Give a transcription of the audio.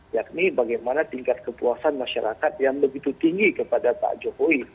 yakni bagaimana tingkat kepuasan masyarakat yang begitu tinggi kepada pak jokowi